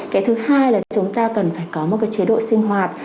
cái thứ hai là chúng ta cần phải có một cái chế độ sinh hoạt